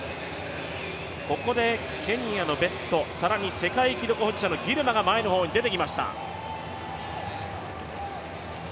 ここでケニアのベット、更に世界記録保持者のギルマが前の方に出てきました。